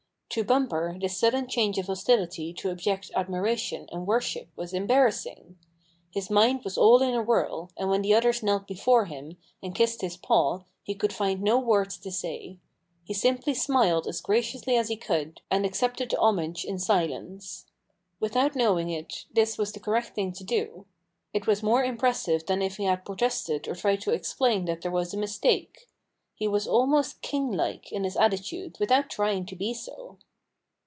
To Bumper this sudden change of hostility to abject admiration and worship was embarrassing. His mind was all in a whirl, and when the others knelt before him and kissed his paw he could find no words to say. He simply smiled as graciously as he could, and accepted the homage in silence. Without knowing it this was the correct thing to do. It was more impressive than if he had protested or tried to explain that there was a mistake. He was almost king like in his attitude without trying to be so.